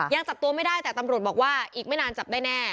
ยังจับตัวไม่ได้แต่ตำรวจบอกว่าอีกไม่นานจับได้แน่